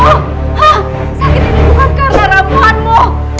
sakit ini bukan karena ramuanmu